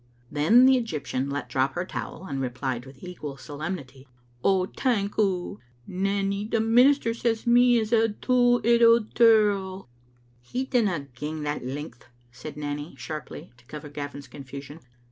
Then the Egyptian let drop her towel, and replied with equal solemnity: " Oh, tank oo ! Nanny, the minister says me is a dood 'ittledirl." "He didna gang that length," said Nanny, sharply, to cover Gavin's confusion.